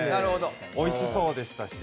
おいしそうでしたし。